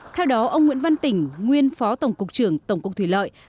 theo đó ông nguyễn văn tỉnh nguyên phó tổng cục trưởng tổng cục thủy lợi